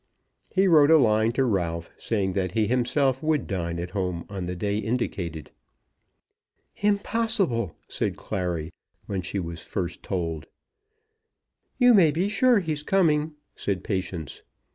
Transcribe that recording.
He wrote a line to Ralph, saying that he himself would dine at home on the day indicated. "Impossible!" said Clary, when she was first told. "You may be sure he's coming," said Patience.